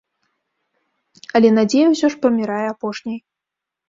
Але надзея ўсё ж памірае апошняй.